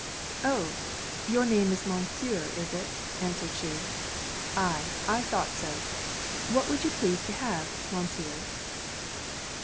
'Oh, your name is Mounseer, is it?' answered she 'Aye, I thought so What would you please to have, Mounseer?'